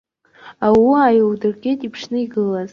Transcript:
Аууы ааилдыргеит иԥшны игылаз.